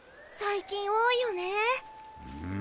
最近多いよね。